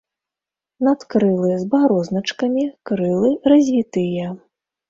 Надкрылы з барозначкамі, крылы развітыя.